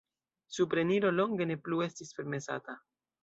Supreniro longe ne plu estis permesata.